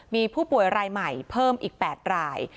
มีผู้ป่วยรายใหม่เพิ่มอีก๘ราย